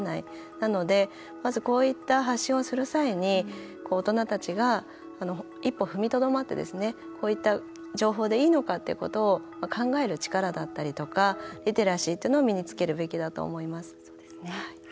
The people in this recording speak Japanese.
なので、まずこういった発信をする際に大人たちが一歩踏みとどまってこういった情報でいいのかってことを考える力だったりとかリテラシーっていうのを身につけるべきだと思います。